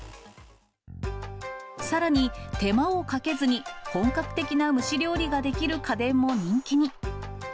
さらに、手間をかけずに本格的な蒸し料理ができる家電も人気に。